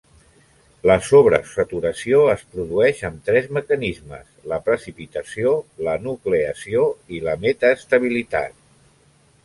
La sobresaturació es produeix amb tres mecanismes: la precipitació, la nucleació i la metaestabilitat.